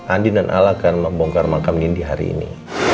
andin dan al akan membongkar mangkamin ini hari ini